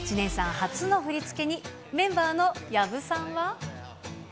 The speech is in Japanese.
初の振り付けに、メンバーの薮さんは。